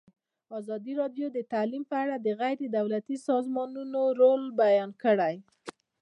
ازادي راډیو د تعلیم په اړه د غیر دولتي سازمانونو رول بیان کړی.